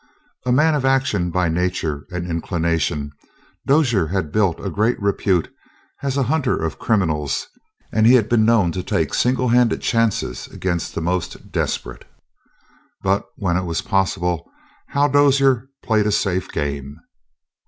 A man of action by nature and inclination, Dozier had built a great repute as a hunter of criminals, and he had been known to take single handed chances against the most desperate; but when it was possible Hal Dozier played a safe game.